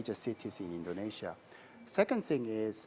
jauh kitaran untuk jalanan